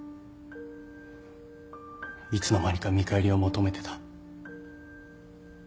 いつの間にか見返りを求めてた。